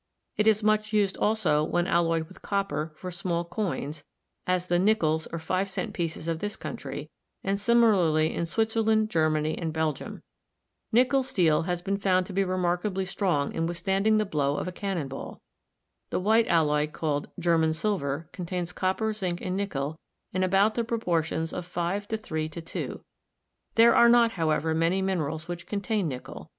It is much used also, when alloyed with copper, for small coins, as the "nickels" or five cent pieces of this country, and similarly in Swit zerland, Germany and Belgium. Nickel steel has been found to be remarkably strong in withstanding the blow of a cannon ball. The white alloy called "German silver" contains Copper, zinc and nickel in about the proportions of 5:3:2. There are not, however, many minerals which contain nickel.